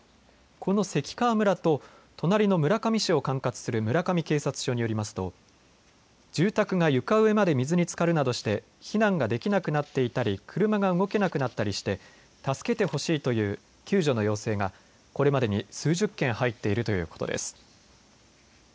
この関川村と隣の村上市を管轄する村上警察署によりますと住宅が床上まで水につかるなどして避難ができなくなっていたり車が動けなくなったりして助けてほしいという救助の要請がこれまでに数十件入っているということです。